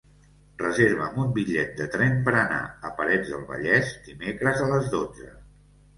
Reserva'm un bitllet de tren per anar a Parets del Vallès dimecres a les dotze.